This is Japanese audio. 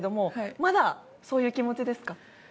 まだそういう気持ちですか？